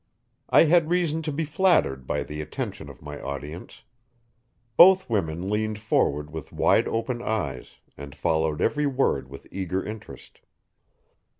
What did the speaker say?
I had reason to be flattered by the attention of my audience. Both women leaned forward with wide open eyes, and followed every word with eager interest.